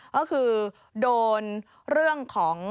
ก็คือโดนเรื่องของ